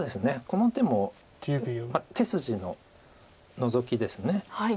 この手も手筋のノゾキです。